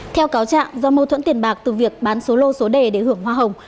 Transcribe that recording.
theo cáo trạng do mâu thuẫn tiền bạc từ việc bán số lô số đề để hưởng hoa hồng